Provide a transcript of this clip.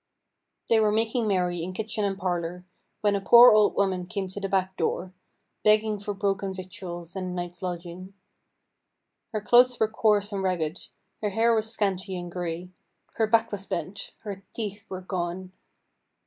They were making merry in kitchen and parlour, when a poor old woman came to the back door, begging for broken victuals and a night's lodging. Her clothes were coarse and ragged; her hair was scanty and grey; her back was bent; her teeth were gone.